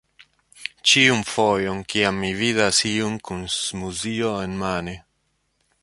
Ĉiun fojon kiam mi vidas iun kun smuzio enmane